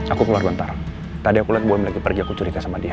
aku keluar bentar tadi aku liat boim lagi pergi aku cerita sama dia